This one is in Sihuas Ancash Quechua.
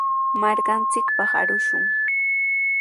Markanchikpaq arushun.